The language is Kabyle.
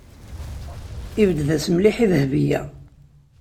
Yebded-as mliḥ i Dahbiya.